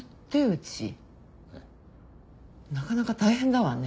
なかなか大変だわね。